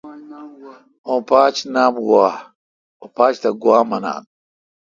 اوں پاچ نام گوا۔۔۔۔۔اوں پاچ تہ گوا منان